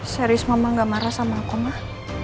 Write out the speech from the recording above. serius mama gak marah sama aku mah